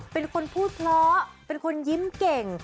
เป็นคนพูดเพราะเป็นคนยิ้มเก่ง